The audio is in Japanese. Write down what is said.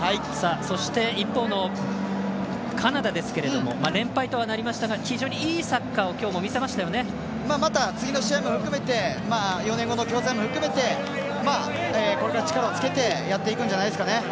そして、一方のカナダですけど連敗とはなりましたが非常にいいサッカーをまた次の試合も含めて４年後の共催も含めてこれから力をつけてやっていくんじゃないでしょうか。